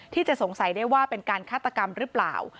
ที่จะสงสัยได้ว่าเป็นการฆาตกรรมหรือเปล่า